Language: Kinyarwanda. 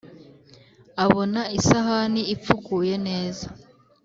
Abona isahani ipfukuye neza,